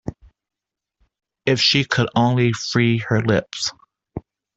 If she could only free her lips!